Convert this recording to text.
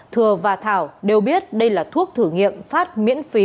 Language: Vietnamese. thừa và thảo đều biết đây là thuốc thử nghiệm phát miễn phí